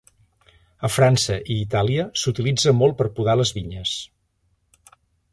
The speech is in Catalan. A França i Itàlia s'utilitza molt per podar les vinyes.